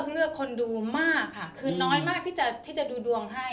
เลือกคนดูมากค่ะคือน้อยมากที่จะดูดวงให้